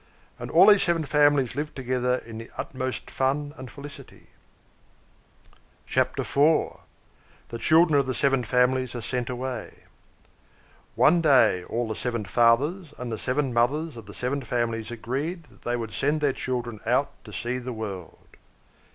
And all these seven families lived together in the utmost fun and felicity. CHAPTER IV. THE CHILDREN OF THE SEVEN FAMILIES ARE SENT AWAY. One day all the seven fathers and the seven mothers of the seven families agreed that they would send their children out to see the world.